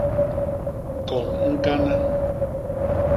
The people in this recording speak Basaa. Kôn ñkana.